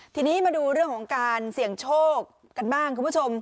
ทีนี้มาดูเรื่องของการเสี่ยงโชคกันบ้างคุณผู้ชม